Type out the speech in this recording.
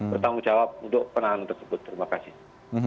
bertanggung jawab untuk penahanan tersebut terima kasih